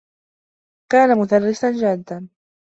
كان مدرّسنا جادّا.